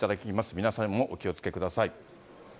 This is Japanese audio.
皆さんもお気をつけください。